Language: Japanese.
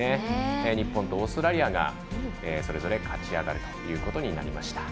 日本とオーストラリアがそれぞれ勝ち上がるということになりました。